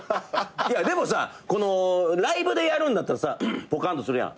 でもさライブでやるんだったらさポカンとするやん。